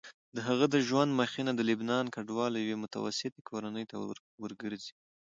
د هغه د ژوند مخینه د لبنان کډوالو یوې متوسطې کورنۍ ته ورګرځي.